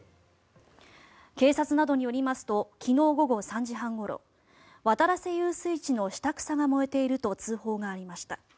警察などによりますと昨日午後３時半ごろ渡良瀬遊水地の下草が燃えていると通報がありました。